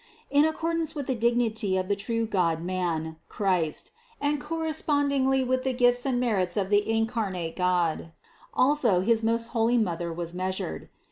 In accordance with the dignity of the true God man, Christ, and correspondingly with the gifts and merits of the incarnate God, also his most holy Mother was measured.